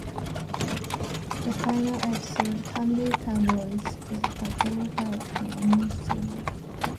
The final episode, "Comedy Cowboys," was a backdoor pilot for a new series.